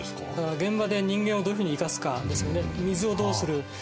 現場で人間をどういうふうに生かすかですよね。